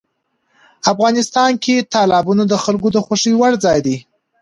افغانستان کې تالابونه د خلکو د خوښې وړ ځای دی.